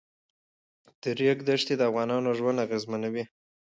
د ریګ دښتې د افغانانو ژوند اغېزمنوي.